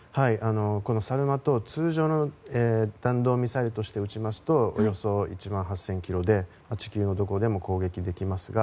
このサルマト通常の弾道ミサイルとして打ちますとおよそ１万８０００ｋｍで地球のどこでも攻撃できますが